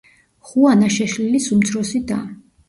ხუანა შეშლილის უმცროსი და.